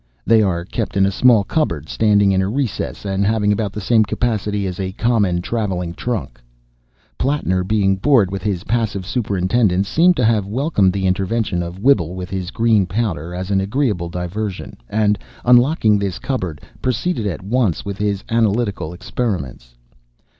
They are kept in a small cupboard standing in a recess, and having about the same capacity as a common travelling trunk. Plattner, being bored with his passive superintendence, seems to have welcomed the intervention of Whibble with his green powder as an agreeable diversion, and, unlocking this cupboard, proceeded at once with his analytical experiments.